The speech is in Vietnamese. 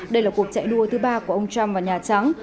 đây là cuộc chạy đua thứ ba của ông trump và nhà trắng